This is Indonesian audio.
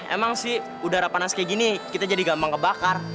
emang sih udara panas kayak gini kita jadi gampang kebakar